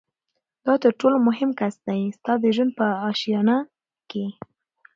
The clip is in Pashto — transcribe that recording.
دا تر ټولو مهم کس دی ستا د ژوند په آشیانه کي